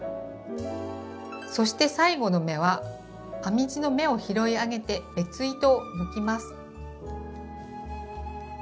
そして最後の目は編み地の目を拾い上げて別糸を抜きます。